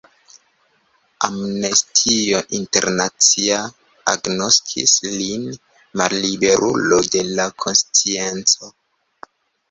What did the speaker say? Amnestio Internacia agnoskis lin malliberulo de la konscienco.